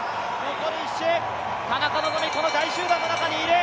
残り１周、田中希実、この大集団の中にいる。